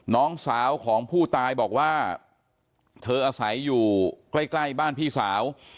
น้องสาวของผู้ตายบอกว่าเธออาศัยอยู่ใกล้ใกล้บ้านพี่สาว